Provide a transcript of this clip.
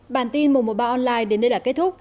bản tin mùng một mươi ba online đến đây là kết thúc